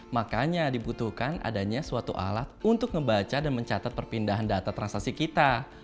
makanya dibutuhkan adanya suatu alat untuk membaca dan mencatat perpindahan data transaksi kita